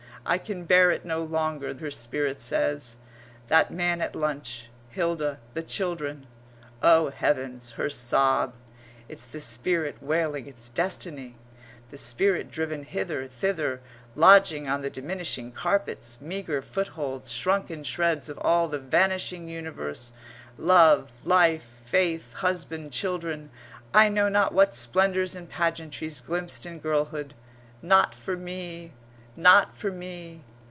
"I can bear it no longer," her spirit says. "That man at lunch Hilda the children." Oh, heavens, her sob! It's the spirit wailing its destiny, the spirit driven hither, thither, lodging on the diminishing carpets meagre footholds shrunken shreds of all the vanishing universe love, life, faith, husband, children, I know not what splendours and pageantries glimpsed in girlhood. "Not for me not for me."